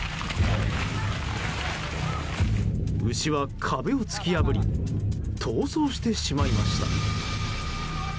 牛は壁を突き破り逃走してしまいました。